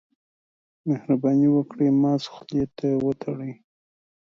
مهرباني وکړئ، ماسک خولې ته وتړئ.